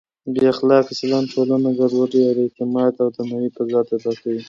بې اخلاقه چلند ټولنه ګډوډوي او د اعتماد او درناوي فضا تباه کوي.